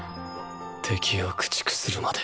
敵を駆逐するまで。